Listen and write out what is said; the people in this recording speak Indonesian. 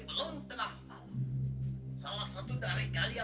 jadi kita harus berpura pura